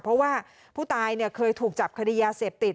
เพราะว่าผู้ตายเคยถูกจับคดียาเสพติด